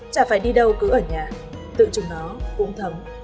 chả phải đi đâu cứ ở nhà tự chung nó cũng thấm